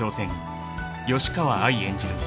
［吉川愛演じる